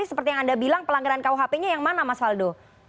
seperti yang anda bilang pelanggaran kuhp nya yang mana mas faldo